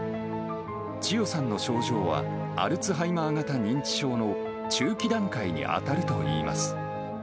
チヨさんの症状は、アルツハイマー型認知症の中期段階に当たるといいます。